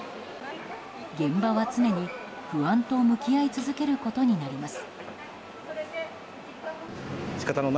現場は常に不安と向き合い続けることになります。